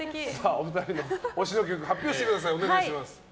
お二人の推しの曲発表してください。